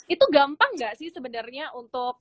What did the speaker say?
itu gampang gak sih sebenernya untuk